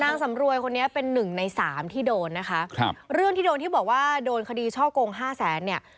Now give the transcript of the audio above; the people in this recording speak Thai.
นางสำรวยคนนี้เป็น๑ใน๓ที่โดนนะคะเรื่องที่โดนที่บอกว่าโดนคดีช่อกง๕๐๐เนี่ย